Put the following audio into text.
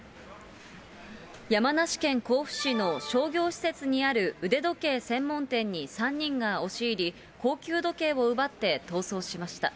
山梨県甲府市の商業施設にある腕時計専門店に３人が押し入り、高級時計を奪って逃走しました。